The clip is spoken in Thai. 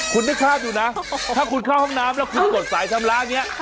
คุณนึกภาพดูนะถ้าคุณเข้าห้องน้ำแล้วคุณกดสายชำระอย่างนี้